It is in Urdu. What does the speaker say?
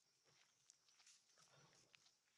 فلنٹریاں مارنی ہوں۔